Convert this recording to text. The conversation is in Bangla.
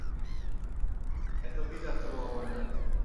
এতো কি চাচ্ছো ভগবানের কাছে?